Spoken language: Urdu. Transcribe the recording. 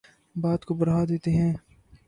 بات کو بڑھا دیتے ہیں